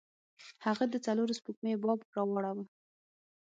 هغه د څلورو سپوږمیو باب راواړوه.